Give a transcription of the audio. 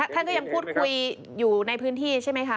ท่านก็ยังพูดคุยอยู่ในพื้นที่ใช่ไหมคะ